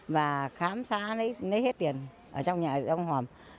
và khám xá lấy hết tiền ở trong nhà công hòm